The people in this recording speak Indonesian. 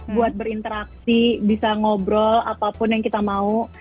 buat berinteraksi bisa ngobrol apapun yang kita mau